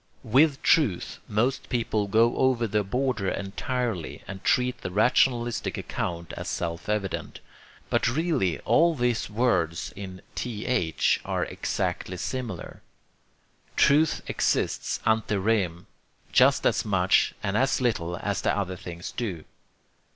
With 'truth' most people go over the border entirely, and treat the rationalistic account as self evident. But really all these words in TH are exactly similar. Truth exists ante rem just as much and as little as the other things do.